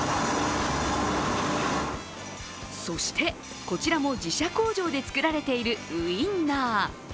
そして、こちらも自社工場で作られているウインナー。